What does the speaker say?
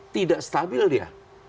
tidak stabil dia